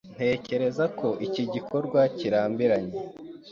Ntekereza ko iki gikorwa kirambiranye.